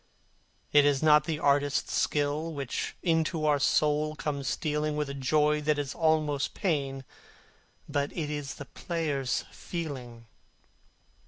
It is not the artist's skill which into our soul comes stealing With a joy that is almost pain, but it is the player's feeling.